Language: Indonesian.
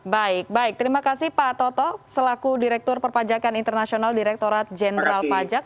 baik baik terima kasih pak toto selaku direktur perpajakan internasional direkturat jenderal pajak